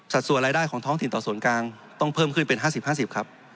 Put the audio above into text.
ส่วนรายได้ของท้องถิ่นต่อส่วนกลางต้องเพิ่มขึ้นเป็น๕๐๕๐ครับ